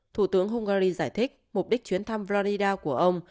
thủ tướng hungary giải thích mục đích chuyến thăm bloida của ông